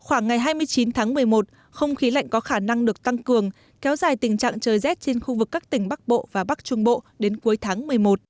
khoảng ngày hai mươi chín tháng một mươi một không khí lạnh có khả năng được tăng cường kéo dài tình trạng trời rét trên khu vực các tỉnh bắc bộ và bắc trung bộ đến cuối tháng một mươi một